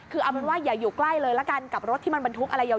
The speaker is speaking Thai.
คือเอาเป็นว่าอย่าอยู่ใกล้เลยละกันกับรถที่มันบรรทุกอะไรยาว